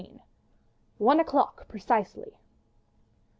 ONE O'CLOCK PRECISELY!